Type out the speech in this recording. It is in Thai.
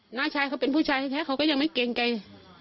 หน้าชายเป็นนางผู้ชายแท่เค้าก็ยังไม่เกลียดใกล้